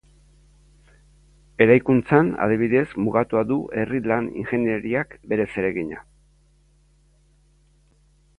Eraikuntzan adibidez mugatua du herri-lan ingeniariak bere zeregina.